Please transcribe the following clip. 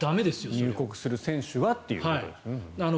入国する選手はということですよね。